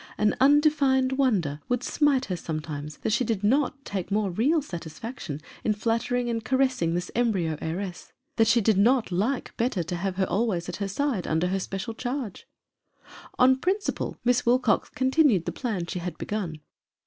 An undefined wonder would smite her sometimes that she did not take more real satisfaction in flattering and EMMA. 249 caressing this embryro heiress that she did not like better to have her always at her side, under her special charge. On principle Miss Wilcox continued the plan she had begun.